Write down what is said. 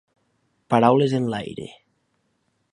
Paraules en l'aire.